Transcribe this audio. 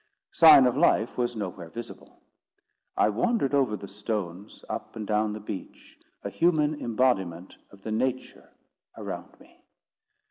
Sign of life was nowhere visible. I wandered over the stones, up and down the beach, a human imbodiment of the nature around me.